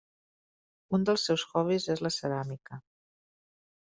Un dels seus hobbies és la ceràmica.